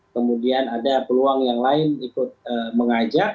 kemudian ada peluang yang lain ikut mengajak